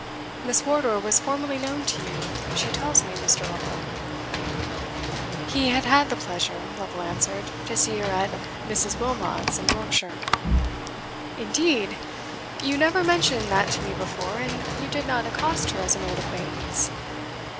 "Miss Wardour was formerly known to you, she tells me, Mr. Lovel?" "He had had the pleasure," Lovel answered, "to see her at Mrs. Wilmot's, in Yorkshire." "Indeed! you never mentioned that to me before, and you did not accost her as an old acquaintance."